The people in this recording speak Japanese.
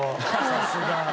さすが。